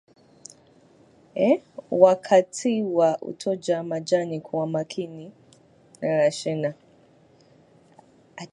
Wakati wa utoaji majani kuwa makini kutojeruhi shina